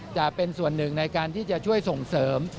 จะเป็นส่วนหนึ่งในการที่จะช่วยส่งเสริม